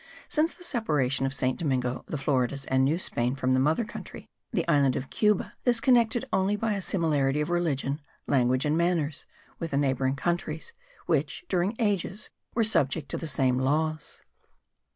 Since the separation of St. Domingo, the Floridas and New Spain from the mother country, the island of Cuba is connected only by similarity of religion, language and manners with the neighbouring countries, which, during ages, were subject to the same laws.